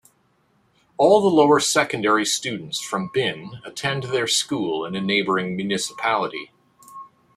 All the lower secondary students from Binn attend their school in a neighboring municipality.